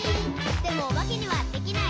「でもおばけにはできない。」